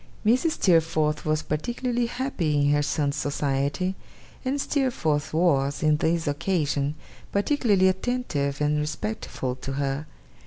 Mrs. Steerforth was particularly happy in her son's society, and Steerforth was, on this occasion, particularly attentive and respectful to her.